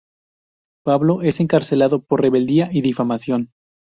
Pablo es encarcelado por rebeldía y difamación.